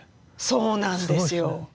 そうなんですよ。